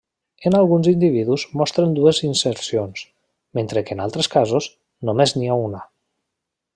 En alguns individus mostren dues insercions, mentre que en altres casos, només n'hi ha una.